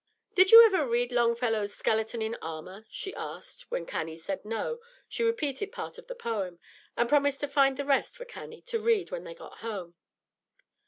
"Did you never read Longfellow's 'Skeleton in Armor'?" she asked; and when Cannie said no, she repeated part of the poem, and promised to find the rest for Cannie to read when they got home.